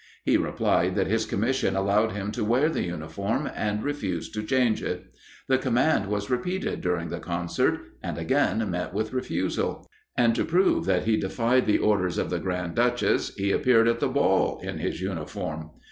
He replied that his commission allowed him to wear the uniform, and refused to change it. The command was repeated during the concert and again met with refusal; and to prove that he defied the orders of the Grand Duchess, he appeared at the ball in his uniform.